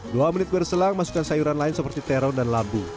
dua menit berselang masukkan sayuran lain seperti terong dan labu